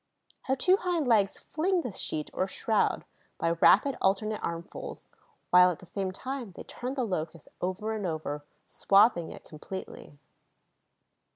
Her two hind legs fling this sheet, or shroud, by rapid alternate armfuls, while, at the same time, they turn the Locust over and over, swathing it completely.